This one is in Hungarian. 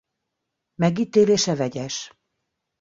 A megítélése vegyes.